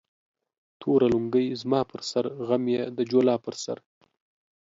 توره لنگۍ زما پر سر ، غم يې د جولا پر سر